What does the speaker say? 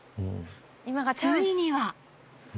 ついには。